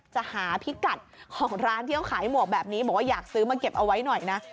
จะหาพิกัดของร้านที่เขาขายหมวกแบบนี้บอกว่าอยากซื้อมาเก็บเอาไว้หน่อยนะ